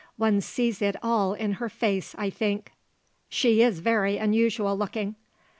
One sees it all in her face, I think." "She is very unusual looking."